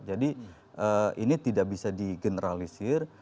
jadi ini tidak bisa di generalisir